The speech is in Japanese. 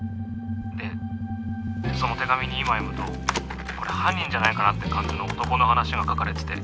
でその手紙に今読むとこれ犯人じゃないかなって感じの男の話が書かれてて。